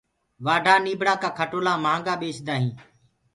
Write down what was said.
وآڍآ نيٚڀڙآ ڪآ کٽولآ ڪو مهآگآ ٻيچدآ هينٚ